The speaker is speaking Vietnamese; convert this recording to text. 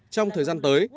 trong thời gian tới